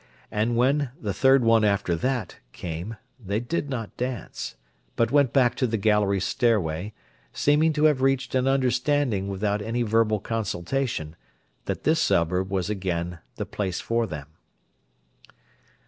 And when "the third one after that" came, they did not dance, but went back to the gallery stairway, seeming to have reached an understanding without any verbal consultation, that this suburb was again the place for them.